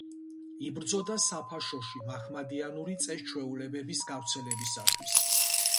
იბრძოდა საფაშოში მაჰმადიანური წეს-ჩვეულებების გავრცელებისათვის.